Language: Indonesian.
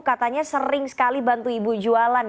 katanya sering sekali bantu ibu jualan